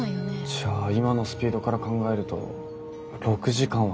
じゃあ今のスピードから考えると６時間はかかるね。